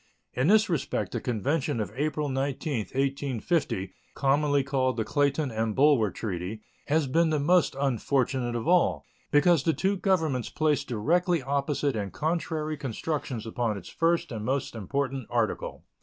In this respect the convention of April 19, 1850, commonly called the Clayton and Bulwer treaty, has been the most unfortunate of all, because the two Governments place directly opposite and contradictory constructions upon its first and most important article.